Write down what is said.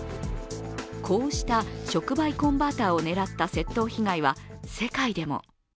こうした触媒コンバーターを狙った窃盗被害は世界でも。